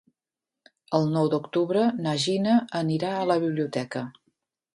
El nou d'octubre na Gina anirà a la biblioteca.